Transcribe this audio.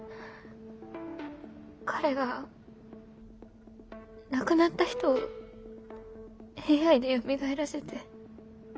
彼が亡くなった人をＡＩでよみがえらせて。